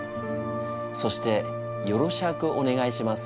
そして「よろシャークお願いします」